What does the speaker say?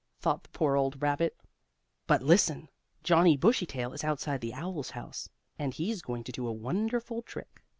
thought the poor old rabbit. But listen, Johnnie Bushytail is outside the owl's house, and he's going to do a wonderful trick.